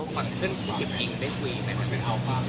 ก่อนเรื่องของพี่หนิงได้คุยไหมถ้าเข็มเอาค่ะ